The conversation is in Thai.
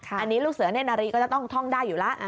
อันนี้ลูกเสือเน่นนารีก็จะต้องท่องได้อยู่แล้ว